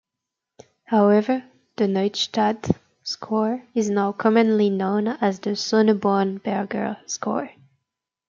However, the Neustadtl score is now commonly known as the Sonneborn-Berger score.